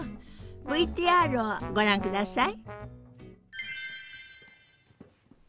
ＶＴＲをご覧ください。